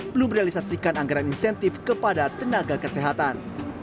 belum merealisasikan anggaran insentif kepada tenaga kesehatan